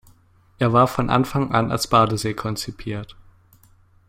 Er war von Anfang an als Badesee konzipiert.